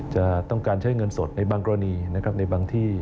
จะต้องการใช้เงินสดในบางกรณีนะครับในบางที่